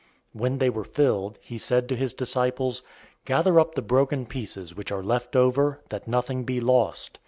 006:012 When they were filled, he said to his disciples, "Gather up the broken pieces which are left over, that nothing be lost."